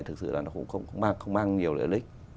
thực sự là nó cũng không mang nhiều lợi lý